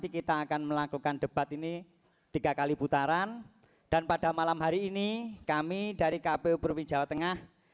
ketua bawaslu provinsi jawa tengah